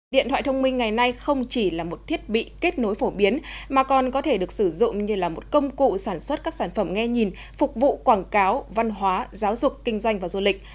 điện thoại thông minh ngày nay không chỉ là một thiết bị kết nối phổ biến mà còn có thể được sử dụng như là một công cụ sản xuất các sản phẩm nghe nhìn phục vụ quảng cáo văn hóa giáo dục kinh doanh và du lịch